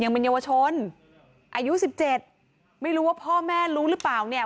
ยังเป็นเยาวชนอายุสิบเจ็ดไม่รู้ว่าพ่อแม่รู้หรือเปล่าเนี่ย